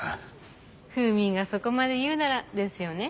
フーミンがそこまで言うならですよね？